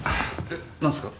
え何すか？